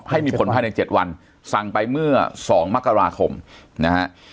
ให้มีผลภายใน๗วันสั่งไปเมื่อ๒มกราคมนะฮะ